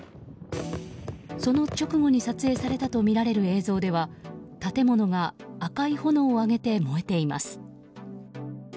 その直後に撮影されたとみられる映像では建物が赤い炎を上げて燃えています。